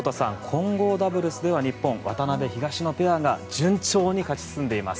混合ダブルスでは日本の渡辺、東野ペアが順調に勝ち進んでいます。